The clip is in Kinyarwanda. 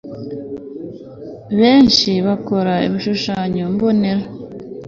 menshi bakora ibishushanyo mbonera